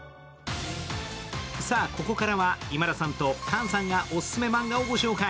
さあ、ここからは今田さんと菅さんがオススメマンガを紹介。